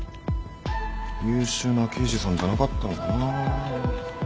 優秀な刑事さんじゃなかったのかな。